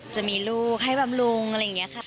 จะมีลูกให้บำรุงอะไรอย่างนี้ค่ะ